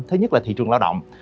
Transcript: thứ nhất là thị trường lao động